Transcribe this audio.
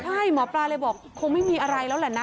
ใช่หมอปลาเลยบอกคงไม่มีอะไรแล้วแหละนะ